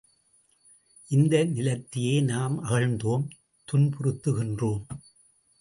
இந்த நிலத்தையே நாம் அகழ்ந்தும் துன்புறுத்துகின்றோம்.